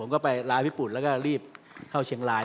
ก็ไปลาญี่ปุ่นแล้วก็รีบเข้าเชียงราย